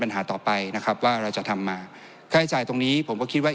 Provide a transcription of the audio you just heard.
ต่อไปนะครับว่าเราจะทำมาค่าใช้จ่ายตรงนี้ผมก็คิดว่า